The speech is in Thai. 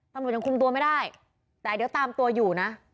ตำรวจยังคุมตัวไม่ได้แต่เดี๋ยวตามตัวอยู่นะ